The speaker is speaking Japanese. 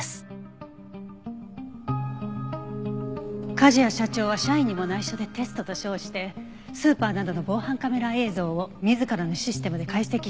梶谷社長は社員にも内緒でテストと称してスーパーなどの防犯カメラ映像を自らのシステムで解析していた。